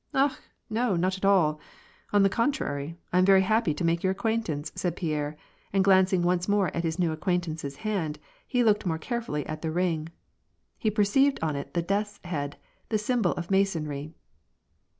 " Akh ! no, not at all ; on the contrary, I am very happy to make your acquaintance," said Pierre, and glancing once more at his new acquaintance's hand, he looked more carefully at the ring. He perceived on it the death's head, the symbol of Masonry.